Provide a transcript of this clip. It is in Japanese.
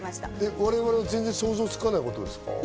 我々が想像つかないことですか？